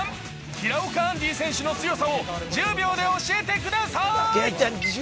平岡アンディ選手の強さを１０秒で教えてください。